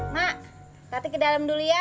mak tapi ke dalam dulu ya